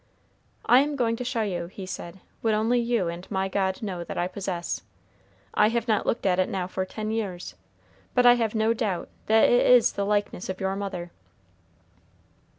"I am going to show you," he said, "what only you and my God know that I possess. I have not looked at it now for ten years, but I have no doubt that it is the likeness of your mother."